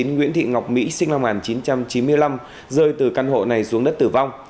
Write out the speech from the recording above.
nguyễn thị ngọc mỹ sinh năm một nghìn chín trăm chín mươi năm rơi từ căn hộ này xuống đất tử vong